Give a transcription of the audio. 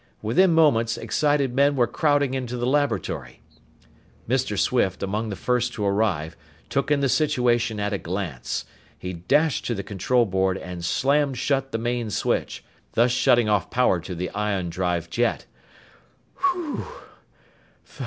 Within moments, excited men were crowding into the laboratory. Mr. Swift, among the first to arrive, took in the situation at a glance. He dashed to the control board and slammed shut the main switch, thus cutting off power to the ion drive jet. "Whew!